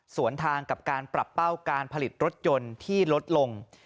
ส่วนทางกับการปรับเป้าการผลิตรถยนต์ที่ลดลง